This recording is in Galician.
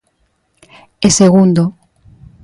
E segundo.